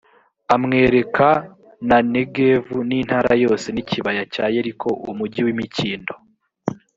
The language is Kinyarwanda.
amwereka na negevu, n’intara yose y’ikibaya cya yeriko umugi w’imikindo,